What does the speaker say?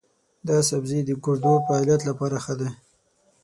دا سبزی د ګردو د فعالیت لپاره ښه دی.